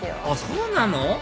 あっそうなの？